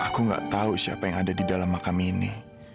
aku nggak tahu siapa yang ada di dalam makam ini